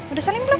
udah salim belum